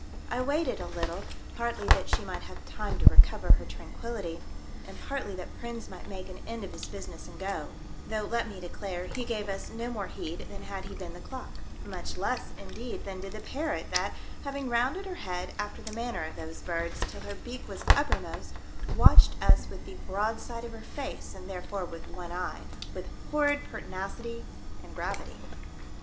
I waited a Httle, partly that she might have time to recover her tran quillity, and partly that Prins might make an end of his business and go, though, let me declare, he gave us no more heed than had he been the clock ; much less, indeed, than did the parrot that, having rounded her head, after the manner of those birds, till her beak was uppermost, watched us with the broad side of her face, and therefore with one eye, with horrid pertinacity and gravity.